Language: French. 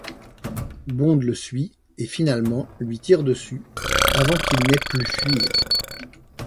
Bond le suit et finalement lui tire dessus avant qu'il n'ait plus fuir.